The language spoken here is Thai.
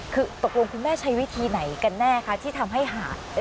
คือตกลงคุณแม่ใช้วิธีไหนกันแน่คะที่ทำให้หาด